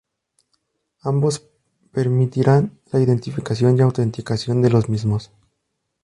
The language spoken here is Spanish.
Ambos permitirán la identificación y autenticación de los mismos.